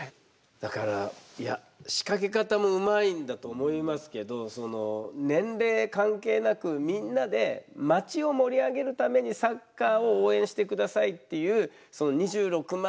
だからいや仕掛け方もうまいんだと思いますけどその年齢関係なくみんなで町を盛り上げるためにサッカーを応援して下さいっていうその２６万